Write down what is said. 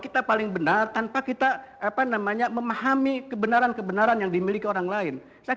kita paling benar tanpa kita apa namanya memahami kebenaran kebenaran yang dimiliki orang lain saya